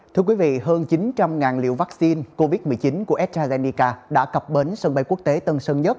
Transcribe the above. thưa quý vị hơn chín trăm linh liều vaccine covid một mươi chín của estrazeneca đã cập bến sân bay quốc tế tân sơn nhất